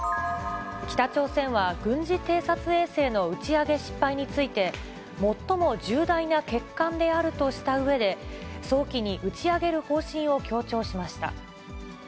北朝鮮は軍事偵察衛星の打ち上げ失敗について、最も重大な欠陥であるとしたうえで、早期に打ち上げる方針を強調しました。